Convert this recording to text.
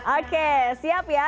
oke siap ya